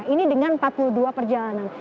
ini dengan empat puluh dua perjalanan